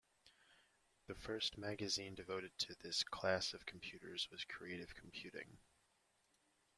The first magazine devoted to this class of computers was Creative Computing.